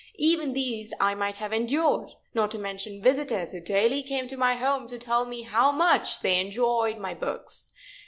Even these I might have endured, not to mention visitors who daily came to my home to tell me how much they had enjoyed my books.